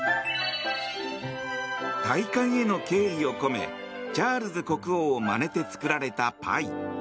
戴冠への敬意を込めチャールズ国王をまねて作られたパイ。